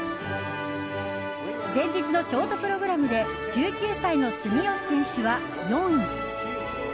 前日のショートプログラムで１９歳の住吉選手は４位。